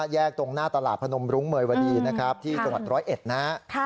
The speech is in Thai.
แยกตรงหน้าตลาดพนมรุงเมยวดีนะครับที่ตร๑๐๑นะ